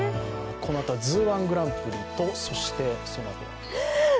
このあとは「ＺＯＯ−１グランプリ」とそしてそのあとは？